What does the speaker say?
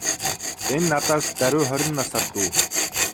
Энэ надаас даруй хорин насаар дүү.